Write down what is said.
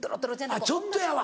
あっちょっとやわ。